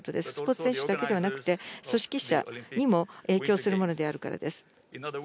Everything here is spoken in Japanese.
スポーツ選手だけではなくて、組織者にも影響するものであるからです。